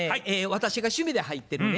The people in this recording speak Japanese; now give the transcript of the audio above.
私が趣味で入ってるね